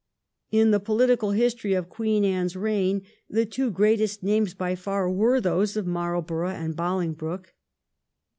In the political history of Queen Anne's reign the two greatest names by far are those of Marlborough and Bolingbroke.